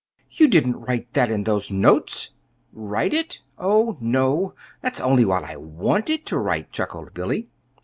"You didn't write that in those notes!" "Write it? Oh, no! That's only what I wanted to write," chuckled Billy.